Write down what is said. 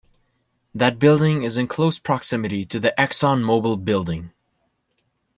That building is in close proximity to the ExxonMobil Building.